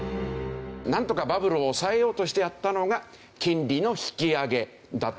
なんとかバブルを抑えようとしてやったのが金利の引き上げだったわけですね。